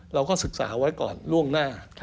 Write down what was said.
เราก็ศึกษาไว้ก่อนล่วงหน้า